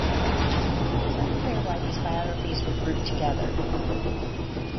It is unclear why these biographies were grouped together.